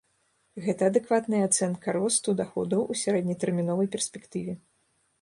Гэта адэкватная ацэнка росту даходаў у сярэднетэрміновай перспектыве.